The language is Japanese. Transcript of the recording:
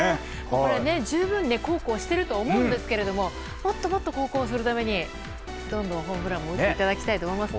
十分、孝行していると思うんですがもっともっと孝行するためにどんどんホームランを打っていただきたいと思いますね。